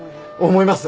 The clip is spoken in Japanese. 思います！